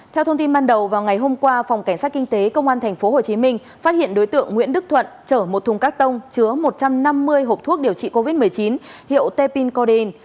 theo thông tin ban đầu vào ngày hôm qua phòng cảnh sát kinh tế công an tp hcm phát hiện đối tượng nguyễn đức thuận chở một thùng các tông chứa một trăm năm mươi hộp thuốc điều trị covid một mươi chín hiệu tepincodin